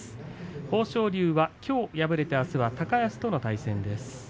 豊昇龍は、きょう敗れてあすは高安との対戦です。